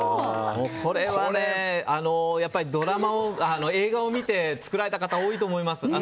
これはね、映画を見て作られた方多いと思います。